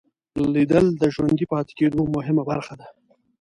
لیدل د ژوندي پاتې کېدو مهمه برخه ده